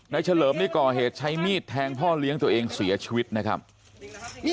เฉลิมนี่ก่อเหตุใช้มีดแทงพ่อเลี้ยงตัวเองเสียชีวิตนะครับ